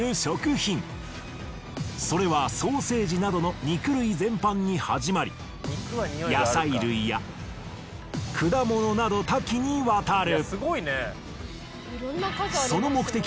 それはソーセージなどの肉類全般に始まり野菜類や果物など多岐にわたる。